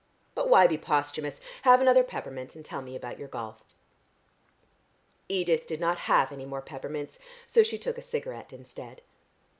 But why be posthumous? Have another peppermint and tell me about your golf." Edith did not have any more peppermints, so she took a cigarette instead.